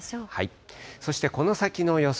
そしてこの先の予想